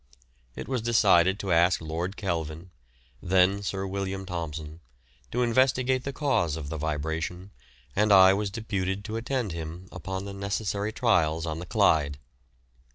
It was decided to ask Lord Kelvin, then Sir William Thomson, to investigate the cause of the vibration, and I was deputed to attend him upon the necessary trials on the Clyde.